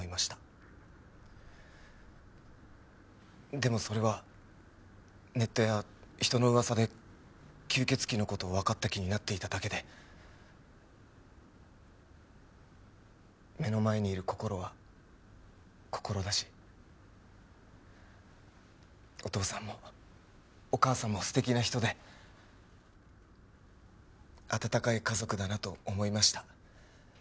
でもそれはネットや人の噂で吸血鬼の事をわかった気になっていただけで目の前にいるこころはこころだしお義父さんもお義母さんも素敵な人で温かい家族だなと思いました。